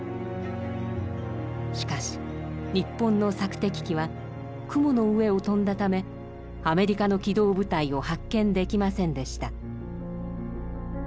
しかし日本の索敵機は雲の上を飛んだためアメリカの機動部隊を発見できませんでした。